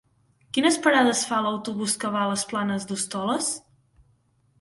Quines parades fa l'autobús que va a les Planes d'Hostoles?